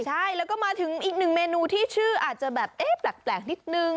ใช่แล้วก็มาถึงอีกหนึ่งเมนูที่ชื่ออาจจะแบบเอ๊ะแปลกนิดนึง